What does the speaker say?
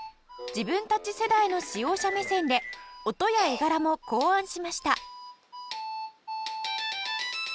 自分たち世代の使用者目線で音や絵柄も考案しました